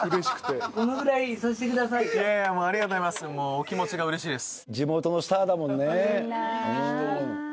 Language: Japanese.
お気持ちがうれしいです。